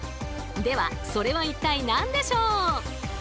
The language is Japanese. ではそれは一体何でしょう？